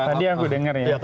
tadi aku dengar ya